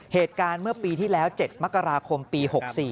เหตุการณ์เมื่อปีที่แล้ว๗มกราคมปี๖๔